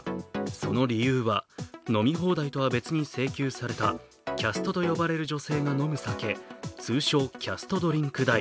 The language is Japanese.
その理由は、飲み放題とは別に請求されたキャストと呼ばれる女性が飲む酒、通称・キャストドリンク代。